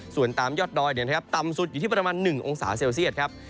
ส่วนตามยอดดอยต่ำสุดอยู่ที่ประมาณ๑องศาเซลเซียตครับ